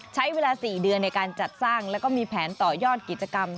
ใช้เวลา๔เดือนในการจัดสร้างแล้วก็มีแผนต่อยอดกิจกรรม